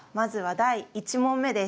第１問です。